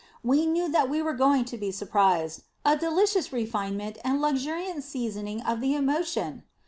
We knew that we were going to be surprised a delicious refinement and luxuriant seasoning of the emotion!